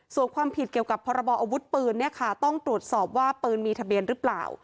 ส่วนความผิดเกี่ยวกับพรบออาวุธปืนเนี่ยค่ะต้องตรวจสอบว่าปืนมีทะเบียนหรือเปล่า